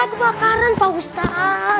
kebakaran pak ustadz